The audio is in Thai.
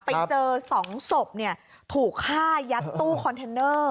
ไปเจอ๒ศพถูกฆ่ายัดตู้คอนเทนเนอร์